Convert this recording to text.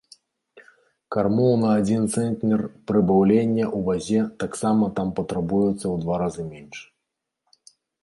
Кармоў на адзін цэнтнер прыбаўлення ў вазе таксама там патрабуецца ў два разы менш.